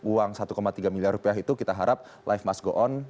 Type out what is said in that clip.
uang satu tiga miliar rupiah itu kita harap live musk go on